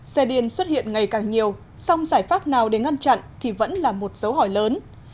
xe điên xuất hiện ngày càng nhiều song giải pháp nào để ngăn chặn thì vẫn là một dấu hỏi lớn